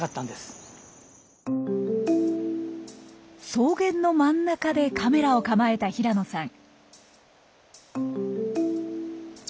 草原の真ん中でカメラを構えた平野さん。